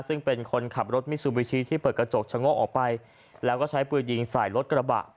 ซึ่งเป็นคนขับรถมิซูบิชิที่เปิดกระจกชะโง่ออกไปแล้วก็ใช้ปืนยิงใส่รถกระบะ